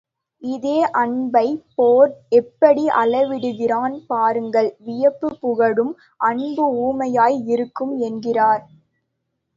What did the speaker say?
இதே அன்பை போர்ன் எப்படி அளவிடுகிறான் பாருங்கள் வியப்பு புகழும், அன்பு ஊமையாய் இருக்கும் என்கிறார்!